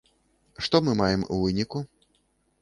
Што мы маем у выніку?